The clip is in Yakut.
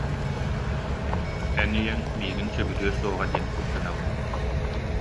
Эн ийэҥ миигин сөбүлүө суоҕа диэн куттанабын